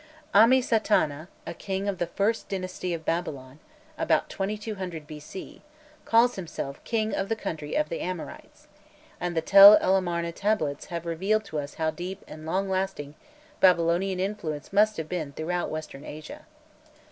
Ammi satana, a king of the first dynasty of Babylon (about 2200 B.C.), calls himself "king of the country of the Amorites," and the Tel el Amarna tablets have revealed to us how deep and long lasting Babylonian influence must have been throughout Western Asia.